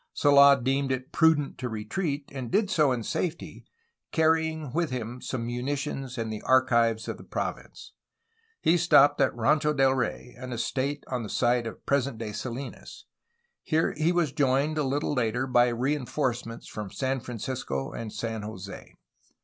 Sold deemed it prudent to retreat, and did so in safety, carrying with him some munitions and the archives of the province. He stopped at Rancho del Rey, an estate on the site of present day Salinas. Here he was joined, a little later, by reinforce ments from San Francisco and San Jose.